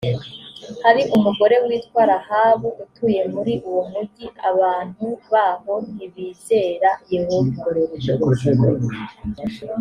hari umugore witwa rahabu utuye muri uwo mugi abantu baho ntibizera yehova